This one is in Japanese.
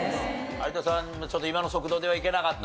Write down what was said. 有田さんも今の速度ではいけなかった？